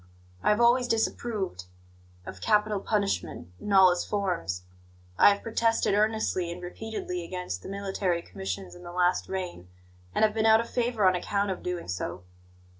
I have always disapproved of capital punishment in all its forms; I have protested earnestly and repeatedly against the military commissions in the last reign, and have been out of favour on account of doing so.